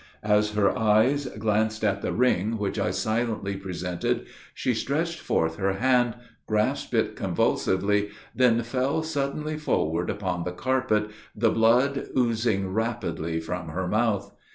As her eyes glanced at the ring, which I silently presented, she stretched forth her hand, grasped it convulsively, then fell suddenly forward upon the carpet, the blood oozing rapidly from her mouth.